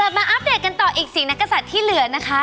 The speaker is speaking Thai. กลับมาอัปเดตกันต่ออีกสีนักศัตริย์ที่เหลือนนะคะ